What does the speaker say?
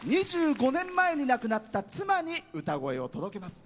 ２５年前に亡くなった妻に歌声を届けます。